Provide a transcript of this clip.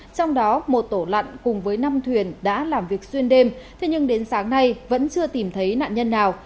trong đó một tổ lặn cùng với năm thuyền đã làm việc xuyên đêm thế nhưng đến sáng nay vẫn chưa tìm thấy nạn nhân nào